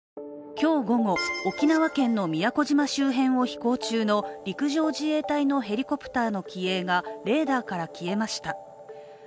今日午後、沖縄県の宮古島周辺を飛行中の陸上自衛隊のヘリコプターの機影がレーダーから消えました。